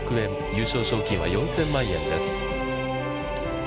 優勝賞金は４０００万円です。